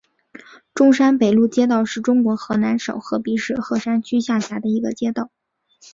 中山北路街道是中国河南省鹤壁市鹤山区下辖的一个街道。